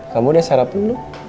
kamu udah sarap dulu